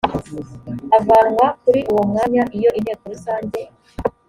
avanwa kuri uwo mwanya iyo inteko rusange